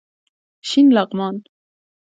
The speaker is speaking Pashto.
شین لغمان